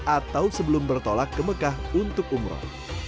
atau sebelum bertolak ke mekah untuk umroh